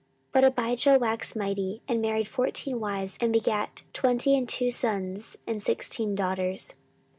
14:013:021 But Abijah waxed mighty, and married fourteen wives, and begat twenty and two sons, and sixteen daughters.